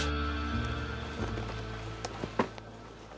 termasuk yang lagi duduk di pos